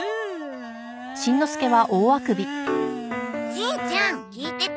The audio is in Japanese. しんちゃん聞いてた？